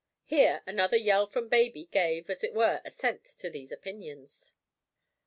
Here another yell from baby gave, as it were, assent to these opinions.